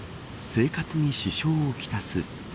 生活に支障をきたす。